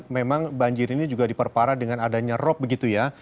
memang banjir ini juga diperparah dengan adanya rop begitu ya